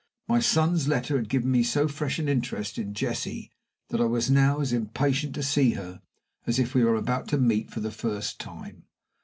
My son's letter had given me so fresh an interest in Jessie that I was now as impatient to see her as if we were about to meet for the first time.